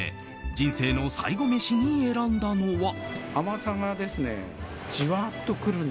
人生の最後メシに選んだのは。